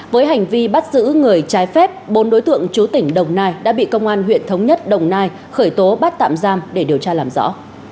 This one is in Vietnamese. với hành vi bắt giữ người trái phép bốn đối tượng chú tỉnh đồng nai đã bị công an huyện thống nhất đồng nai khởi tố bắt tạm giam để điều tra làm rõ